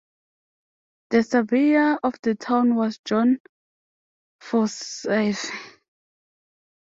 The surveyor of the town was John Forsyth.